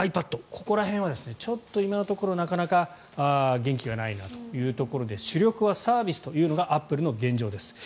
ここら辺は今のところなかなか元気がないなというところで主力はサービスというのがアップルの現状です。